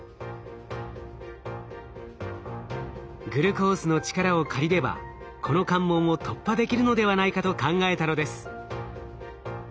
グルコースの力を借りればこの関門を突破できるのではないかと考えたのです。